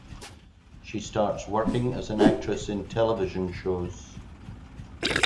She starts working as an actress in television shows.